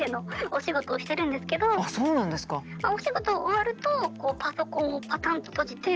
お仕事終わるとパソコンをパタンと閉じて